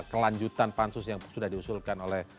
kelanjutan pansus yang sudah diusulkan oleh